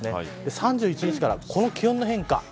３１日からこの気温の変化